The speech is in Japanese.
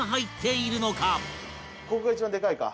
ここが一番でかいか。